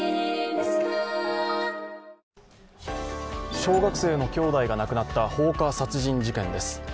小学生の兄弟が亡くなった放火殺人事件です。